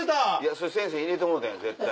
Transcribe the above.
それ先生に入れてもろうたやん絶対。